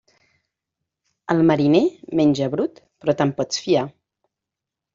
El mariner menja brut, però te'n pots fiar.